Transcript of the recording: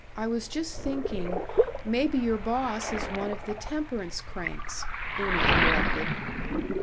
I was just thinking maybe your boss is one of the temperance cranks," Una interrupted.